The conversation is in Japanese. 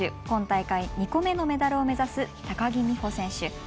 今大会、２個目のメダルを目指す高木美帆選手。